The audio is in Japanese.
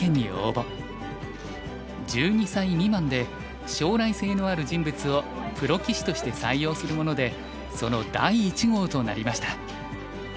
１２歳未満で将来性のある人物をプロ棋士として採用するものでその第１号となりました。